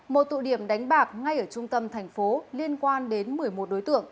một tụ điểm đánh bạc ngay ở trung tâm thành phố liên quan đến một mươi một đối tượng